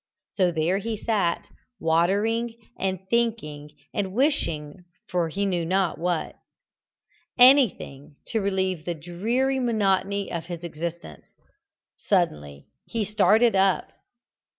So there he sat, watering and thinking and wishing for he knew not what anything to relieve the dreary monotony of his existence. Suddenly he started up.